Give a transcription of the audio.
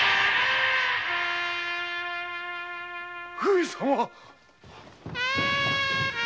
上様！